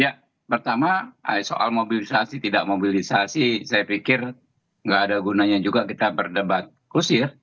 ya pertama soal mobilisasi tidak mobilisasi saya pikir nggak ada gunanya juga kita berdebat kusir